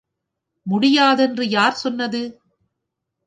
முடியாதென்று யார் சொன்னது!